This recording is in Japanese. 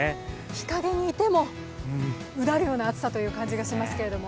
日陰にいてもうだるような暑さという感じがしますけれども。